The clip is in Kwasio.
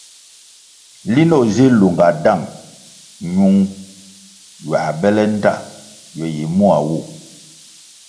Linʼ o si lunga dang nyiung ywā bele ndta ywe yi mua wu.